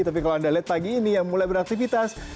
tapi kalau anda lihat pagi ini yang mulai beraktivitas